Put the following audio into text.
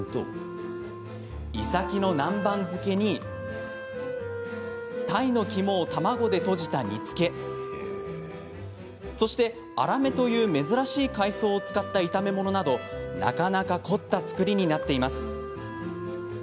いさきの南蛮漬けにタイの肝を卵でとじた煮つけそして、アラメという珍しい海藻を使った炒め物などなかなか凝った作りになっています。